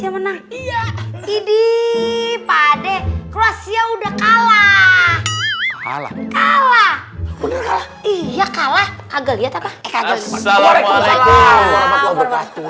menang iptidi pade kruasia udah kalah alami alami sallala white